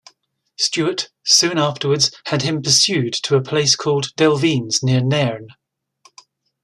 Stewart soon afterwards had him pursued to a place called Delvines, near Nairn.